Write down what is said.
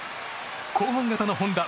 後半型の本多